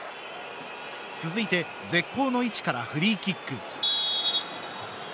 続いて絶好の位置からフリーキック。